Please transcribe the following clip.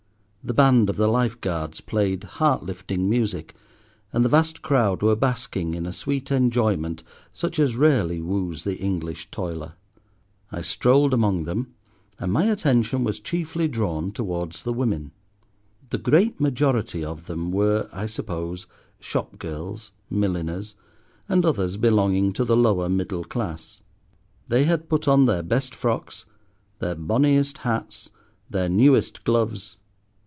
The band of the Life Guards played heart lifting music, and the vast crowd were basking in a sweet enjoyment such as rarely woos the English toiler. I strolled among them, and my attention was chiefly drawn towards the women. The great majority of them were, I suppose, shop girls, milliners, and others belonging to the lower middle class. They had put on their best frocks, their bonniest hats, their newest gloves.